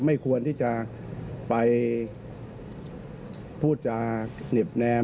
ไม่ควรที่จะไปพูดจาเหน็บแนม